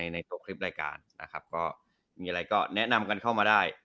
ในตัวคลิปรายการนะครับก็มีอะไรก็แนะนำกันเข้ามาได้